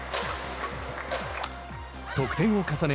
得点を重ね